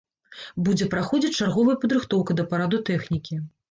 Будзе праходзіць чарговая падрыхтоўка да параду тэхнікі.